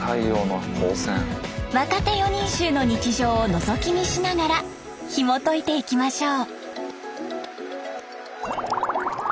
若手四人衆の日常をのぞき見しながらひもといていきましょう。